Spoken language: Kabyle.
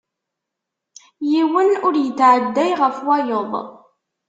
Yiwen ur yetɛedday ɣef wayeḍ.